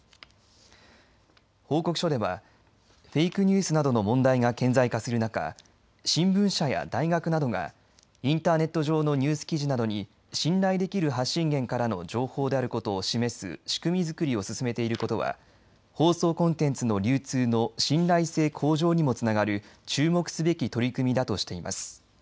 報告書ではフェイクニュースなどの問題が顕在化する中新聞社や大学などがインターネット上のニュース記事などに信頼できる発信元からの情報であることを示す仕組みづくりを進めていることは放送コンテンツの流通の信頼性向上にもつながる注目すべき取り組みだとしています。